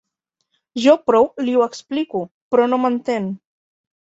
Jo prou li ho explico, però no m'entén.